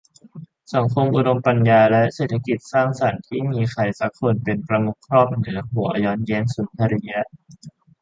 สังคมอุดมปัญญาและเศรษฐกิจสร้างสรรค์ที่มีใครสักคนเป็นประมุขครอบเหนือหัว ย้อนแย้งสุนทรียะ